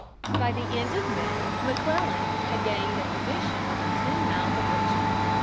By the end of May McClellan had gained a position within ten miles of Richmond.